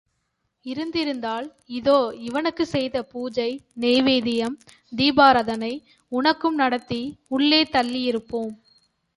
இருந்திருந்தால் இதோ இவனுக்குச்செய்த பூஜை, நெய்வேதியம், தீபாராதனை உனக்கும் நடத்தி உள்ளே தள்ளியிருப்போம்.